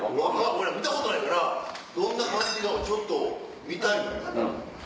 俺見たことないからどんな感じかをちょっと見たい。